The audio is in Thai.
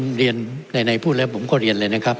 ผมเรียนในพูดแล้วผมก็เรียนเลยนะครับ